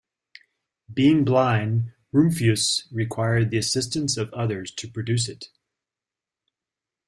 Being blind, Rumphius required the assistance of others to produce it.